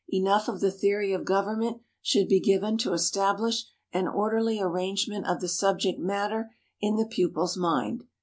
Enough of the theory of government should be given to establish an orderly arrangement of the subject matter in the pupil's mind.